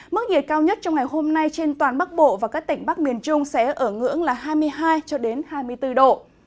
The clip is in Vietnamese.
mức nhiệt cao nhất trong ngày hôm nay trên toàn bắc bộ và các tỉnh bắc miền trung sẽ ở ngưỡng là hai mươi hai hai mươi bốn độ